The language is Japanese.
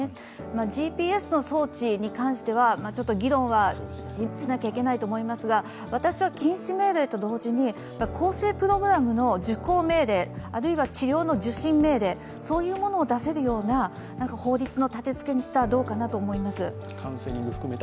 ＧＰＳの装置に関しては議論はしなきゃいけないと思うんですが私は禁止命令と同時に更生プログラムの命令、あるいは治療の受診命令を出せるような法律の立て付けにしたらどうかと思います。